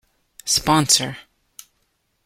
sponsor